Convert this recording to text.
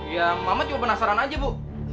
ya mamat juga penasaran aja bu